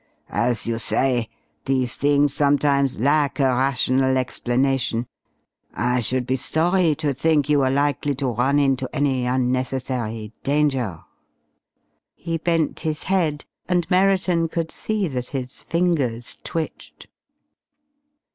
As you say, these things sometimes lack a rational explanation. I should be sorry to think you were likely to run into any unnecessary danger." He bent his head and Merriton could see that his fingers twitched.